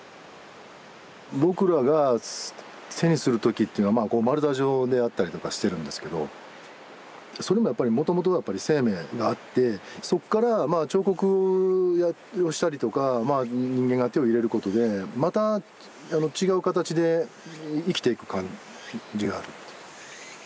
僕らが手にする時っていうのは丸太状であったりとかしてるんですけどそれもやっぱりもともとはやっぱり生命があってそっからまあ彫刻をしたりとかまあ人間が手を入れることでまた違う形で生きていく感じがある。